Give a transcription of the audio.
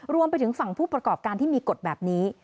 รวมไปถึงฝั่งผู้ประกอบการที่มีกฎแบบนี้